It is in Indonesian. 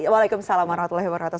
waalaikumsalam warahmatullahi wabarakatuh